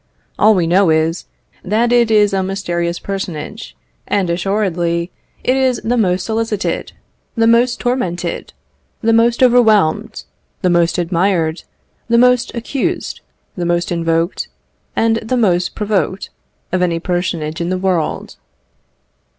All we know is, that it is a mysterious personage; and, assuredly, it is the most solicited, the most tormented, the most overwhelmed, the most admired, the most accused, the most invoked, and the most provoked, of any personage in the world.